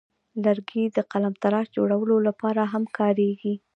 لرګی د قلمتراش جوړولو لپاره هم کاریږي.